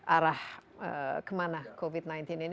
arah kemana covid sembilan belas ini